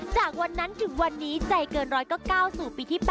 จากวันนั้นถึงวันนี้ใจเกินร้อยก็ก้าวสู่ปีที่๘